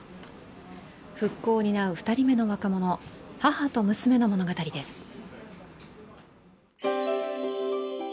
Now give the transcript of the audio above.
復興を担う２人目の若者、母と娘の物語です。